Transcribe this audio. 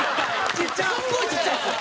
すごいちっちゃいんですよ！